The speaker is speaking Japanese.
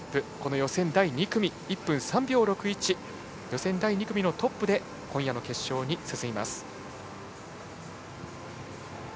予選第２組トップで今夜の決勝に進みます。